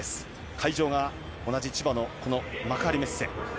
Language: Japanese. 会場が同じ千葉のこの幕張メッセ。